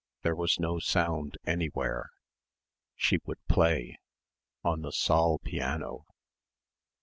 There was no sound anywhere.... She would play ... on the saal piano.